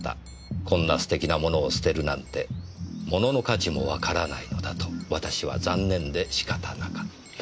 「こんな素敵な物を捨てるなんて物の価値もわからないのだと私は残念で仕方なかった」